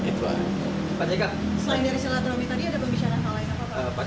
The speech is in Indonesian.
selain dari selat romi tadi ada pembicaraan hal lain apa pak